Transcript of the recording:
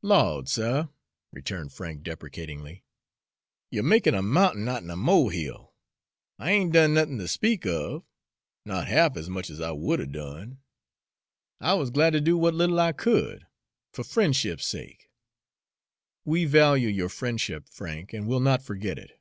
"Lawd, suh!" returned Frank deprecatingly, "you're makin' a mountain out'n a molehill. I ain't done nuthin' ter speak of not half ez much ez I would 'a' done. I wuz glad ter do w'at little I could, fer frien'ship's sake." "We value your friendship, Frank, and we'll not forget it."